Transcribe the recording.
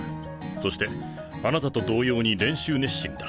そしてあなたと同様に練習熱心だ。